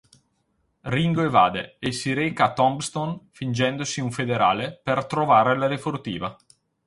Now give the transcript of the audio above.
Ringo evade e si reca a Tombstone fingendosi un federale per trovare la refurtiva.